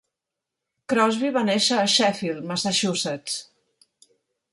Crosby va néixer a Sheffield, Massachusetts.